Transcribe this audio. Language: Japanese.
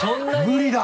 無理だ。